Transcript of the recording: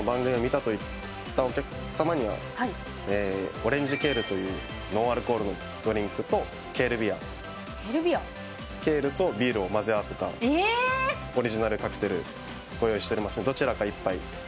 オレンジケールというノンアルコールのドリンクと、ケールビアケールとビールを混ぜ合わせたオリジナルカクテルをご用意しておりますので。